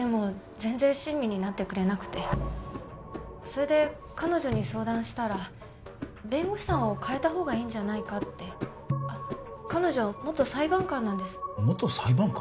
全然親身になってくれなくてそれで彼女に相談したら弁護士さんを変えたほうがいいんじゃないかってあっ彼女元裁判官なんです元裁判官？